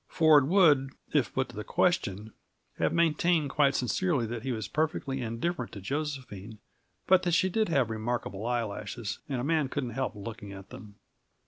Ford would, if put to the question, have maintained quite sincerely that he was perfectly indifferent to Josephine, but that she did have remarkable eyelashes, and a man couldn't help looking at them.